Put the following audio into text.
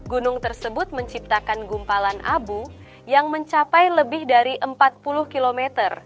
gunung tersebut menciptakan gumpalan abu yang mencapai lebih dari empat puluh km